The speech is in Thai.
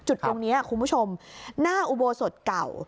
จุดตรงนี้คุณผู้ชมหน้าอุโบสถเก่า